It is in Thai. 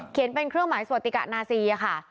เป็นเครื่องหมายสวติกะนาซีค่ะ